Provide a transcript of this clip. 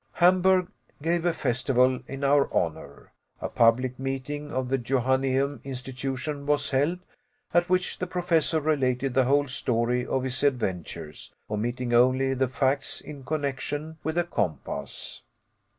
Hamburg gave a festival in our honor. A public meeting of the Johanneum Institution was held, at which the Professor related the whole story of his adventures, omitting only the facts in connection with the compass.